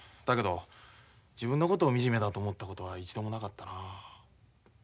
だけど自分のことを惨めだと思ったことは一度もなかったな。